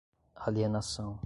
alienação